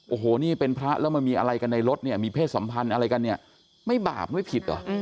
โอ้โหนี่เป็นพระแล้วมันมีอะไรกันในรถเนี่ยมีเพศสัมพันธ์อะไรกันเนี่ยไม่บาปไม่ผิดเหรอ